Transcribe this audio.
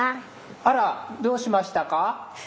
あらどうしましたか？